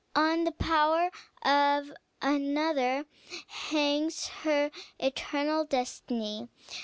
On the power of another hangs her eternal destiny.